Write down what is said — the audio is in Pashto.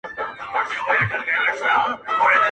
• پر نازک بدن دی گرانی شگوفې د سېب تویېږی -